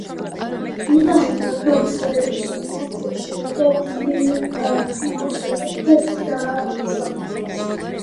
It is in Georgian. ვინაიდან ბევრს ეპიდემიის ეშინოდა, დიუკასი მომდევნო დღეს დაასაფლავეს.